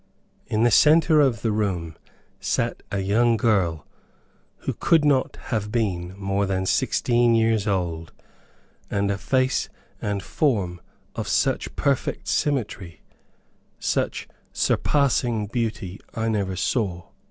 In the center of the room sat a young girl, who could not have been more than sixteen years old; and a face and form of such perfect symmetry, such surpassing beauty, I never saw.